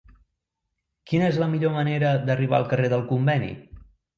Quina és la millor manera d'arribar al carrer del Conveni?